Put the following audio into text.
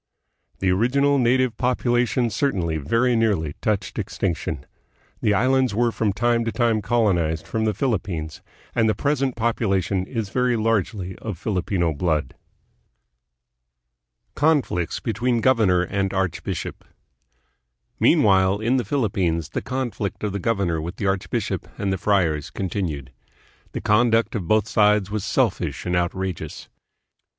The original native population certainly very nearly touched extinction. The islands were from time to time colonized from the Philippines, and the present population is very largely of Filipino blood. Conflicts between Governor and Archbishop. Mean while, in the Philippines the conflict of the governor with the archbishop and the friars continued. The conduct of both sides was selfish and outrageous.